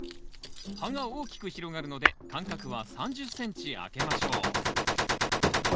葉が大きく広がるので間隔は３０ｃｍ空けましょう。